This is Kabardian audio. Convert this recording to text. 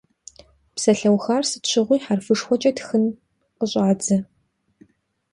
Псалъэухар сыт щыгъуи хьэрфышхуэкӏэ тхын къыщӏадзэ.